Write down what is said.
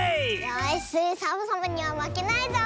よしサボさんにはまけないぞ！